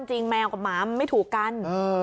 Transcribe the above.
จริงแมวกับหมาไม่ถูกกัน